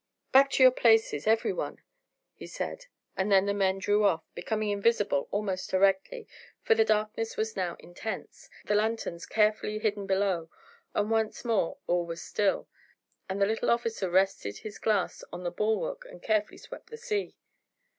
"Back to your places, every one," he said; and then the men drew off, becoming invisible almost directly, for the darkness was now intense, the lanthorns carefully hidden below, and once more all was still, and the little office rested his glass on the bulwark and carefully swept the sea.